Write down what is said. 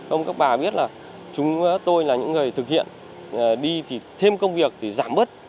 ông các bà biết là chúng tôi là những người thực hiện đi thì thêm công việc thì giảm bớt